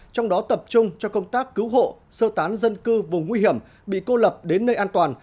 trong đó tập trung cho công tác cứu hộ sơ tán dân cư vùng nguy hiểm bị cô lập đến nơi an toàn